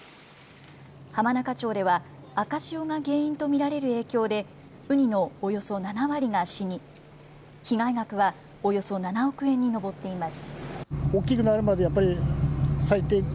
浜中町では赤潮が原因と見られる影響で、ウニのおよそ７割が死に、被害額はおよそ７億円に上っています。